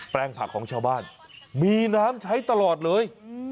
ลงผักของชาวบ้านมีน้ำใช้ตลอดเลย